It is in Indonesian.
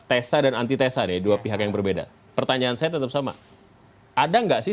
dua tessa dan anti tesa d dua pihak yang berbeda pertanyaan saya tetap sama ada enggak sih